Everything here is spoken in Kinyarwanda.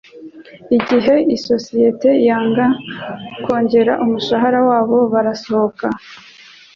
igihe isosiyete yangaga kongera umushahara wabo, barasohoka